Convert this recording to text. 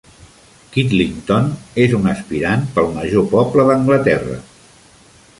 Kidlington és un aspirant pel major poble d'Anglaterra.